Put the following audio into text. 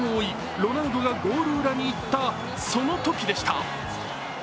ロナウドがゴール裏に行ったそのときでした。